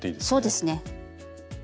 そうですね。